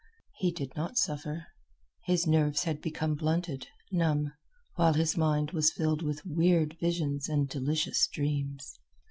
He did not suffer. His nerves had become blunted, numb, while his mind was filled with weird visions and delicious dreams.